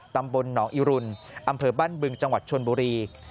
ตำบลหนองอิรุณอำเภอบ้านบึงจังหวัดชนบุรี